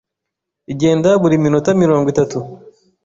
Igenda buri minota mirongo itatu.